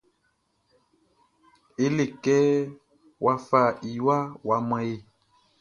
Ye le kɛ wa fa iwa wa man yé.